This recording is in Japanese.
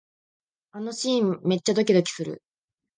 あのシーン、めっちゃドキドキする